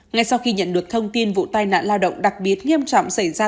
ngay sau khi nhận được thông tin vụ tai nạn lao động đặc biệt nghiêm trọng xảy ra